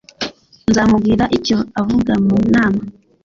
Nzamubwira icyo avuga mu nama.